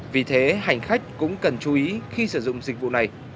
vì thế hành khách cũng cần chú ý khi sử dụng dịch vụ này